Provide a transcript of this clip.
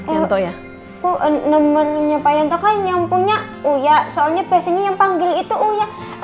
yanto ya poen nomornya pak yanto kan nyampunya oh ya soalnya pesennya yang panggil itu udah